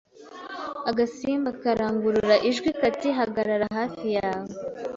Agasimba karangurura ijwi kati: “Hagarara hafi yawe.”